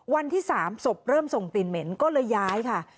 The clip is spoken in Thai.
วันที่๓ศพเริ่มส่งกลิ่นเหม็นก็เลยย้ายค่ะ